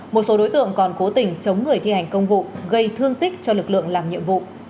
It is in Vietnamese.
một số đối tượng còn cố tình chống người thi hành công vụ gây thương tích cho lực lượng làm nhiệm vụ